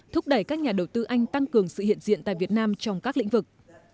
thúc đẩy các nhà đầu tư anh tăng cường sự hiện diện tại việt nam trong các lĩnh vực